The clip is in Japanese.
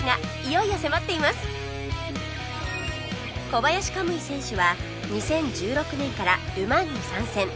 小林可夢偉選手は２０１６年からル・マンに参戦